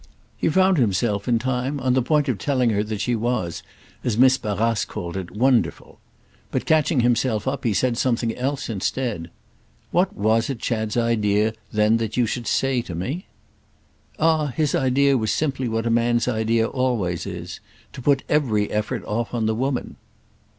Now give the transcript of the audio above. He found himself in time on the point of telling her that she was, as Miss Barrace called it, wonderful; but, catching himself up, he said something else instead. "What was it Chad's idea then that you should say to me?" "Ah his idea was simply what a man's idea always is—to put every effort off on the woman."